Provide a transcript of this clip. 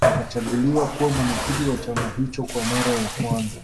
Akachaguliwa kuwa mwenyekiti wa chama hicho kwa mara ya kwanza